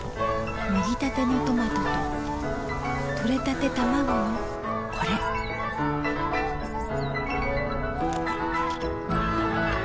もぎたてのトマトととれたてたまごのこれん！